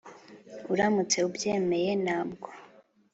uramutse ubyemeye ntabwo